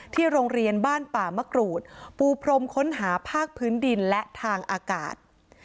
โรงเรียนบ้านป่ามะกรูดปูพรมค้นหาภาคพื้นดินและทางอากาศ